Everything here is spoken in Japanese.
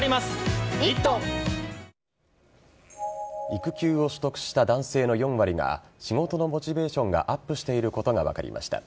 育休を取得した男性の４割が仕事のモチベーションがアップしていることが分かりました。